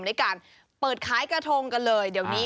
ในการเปิดขายกระทงกันเลยเดี๋ยวนี้